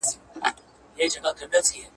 پر مین سول که قاضیان که وزیران وه!